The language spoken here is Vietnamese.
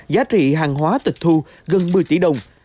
giá trị hàng hóa tịch thu gần một mươi tỷ đồng